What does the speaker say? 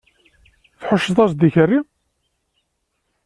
Tḥucceḍ-as-d i ikerri?